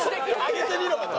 上げてみろよと。